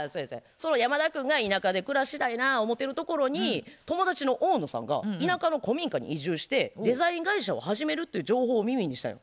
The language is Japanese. その山田君が田舎で暮らしたいな思てるところに友達の大野さんが田舎の古民家に移住してデザイン会社を始めるという情報を耳にしたんよ。